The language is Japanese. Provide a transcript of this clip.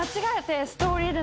ストーリーで。